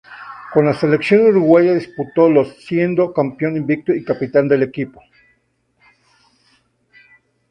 Con la Selección uruguaya disputó los siendo campeón invicto y capitán del equipo.